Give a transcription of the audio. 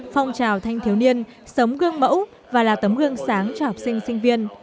phong trào thanh thiếu niên sống gương mẫu và là tấm gương sáng cho học sinh sinh viên